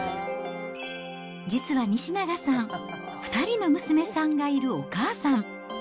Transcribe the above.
実は西永さん、２人の娘さんがいるお母さん。